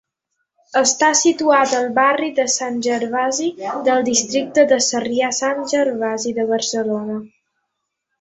Està situat al barri de Sant Gervasi del districte de Sarrià-Sant Gervasi de Barcelona.